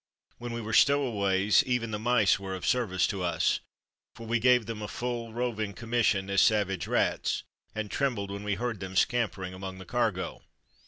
When we were stowaways even the mice were of service to us, for we gave them a full roving commission as savage rats, and trembled when we heard them scampering among the cargo.